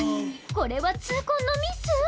これは痛恨のミス！？